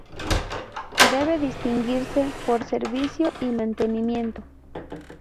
Debe distinguirse por "Servicio" y "Mantenimiento".